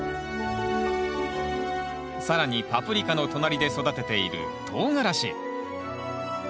更にパプリカの隣で育てているトウガラシ。